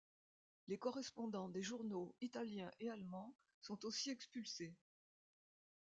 Les correspondants des journaux italiens et allemand sont aussi expulsés.